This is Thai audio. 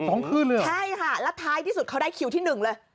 สองคืนเลยเหรอใช่ค่ะแล้วท้ายที่สุดเขาได้คิวที่หนึ่งเลย